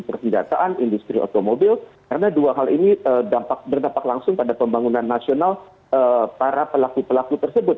persenjataan industri otomobil karena dua hal ini berdampak langsung pada pembangunan nasional para pelaku pelaku tersebut